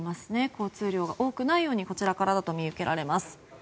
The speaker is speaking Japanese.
交通量が多くないようにこちらからだと見受けられます。